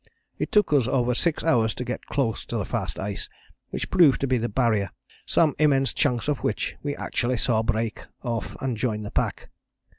"It took us over six hours to get close to the fast ice, which proved to be the Barrier, some immense chunks of which we actually saw break off and join the pack.